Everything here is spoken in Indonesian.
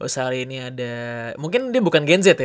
sehari ini ada mungkin dia bukan gen z ya